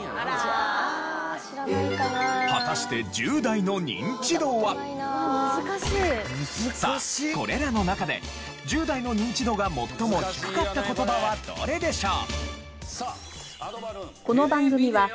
果たしてさあこれらの中で１０代のニンチドが最も低かった言葉はどれでしょう？